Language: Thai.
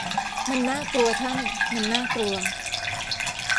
มันน่ากลัวท่าน มันน่ากลัว